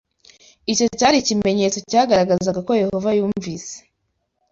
Icyo cyari ikimenyetso cyagaragazaga ko Yehova yumvise